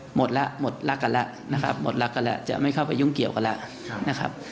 หมดละหมดละกันละนะครับใช่เจ้าไม่เข้าไปยุ่งเกี่ยวกันละนะครับ